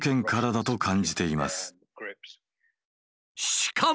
しかも。